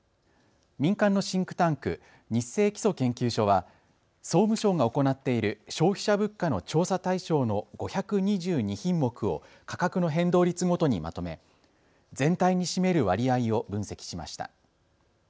民間のシンクタンク、ニッセイ基礎研究所は総務省が行っている消費者物価の調査対象の５２２品目を価格の変動率ごとにまとめ全体に占める割合を分析しました。